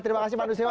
terima kasih manusia